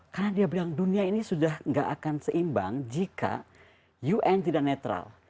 karena dia bilang dunia ini sudah gak akan seimbang jika un tidak netral